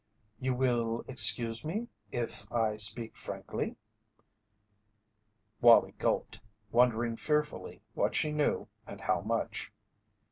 "You will excuse me if I speak frankly?" Wallie gulped, wondering fearfully what she knew and how much.